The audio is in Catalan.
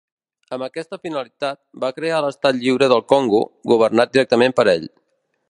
Amb aquesta finalitat, va crear l'Estat Lliure del Congo, governat directament per ell.